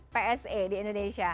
pse di indonesia